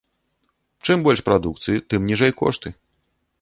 Чым больш прадукцыі, тым ніжэй кошты.